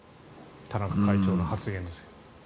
田中会長の発言。